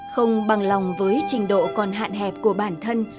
không bằng lòng với trình độ còn hạn hẹp của bản thân